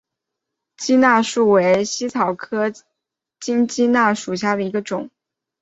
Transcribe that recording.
鸡纳树为茜草科金鸡纳属下的一个种。